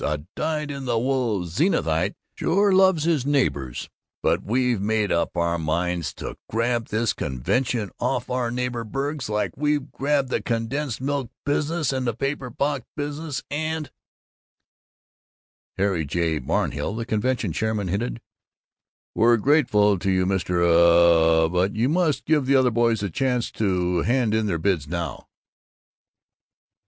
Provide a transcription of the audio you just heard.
A dyed in the wool Zenithite sure loves his neighbors, but we've made up our minds to grab this convention off our neighbor burgs like we've grabbed the condensed milk business and the paper box business and " J. Harry Barmhill, the convention chairman, hinted, "We're grateful to you, Mr. Uh, but you must give the other boys a chance to hand in their bids now."